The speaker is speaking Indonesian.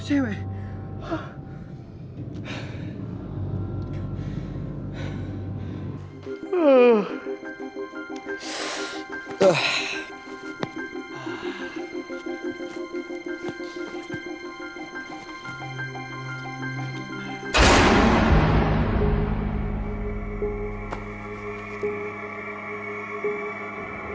siapa tuh cewek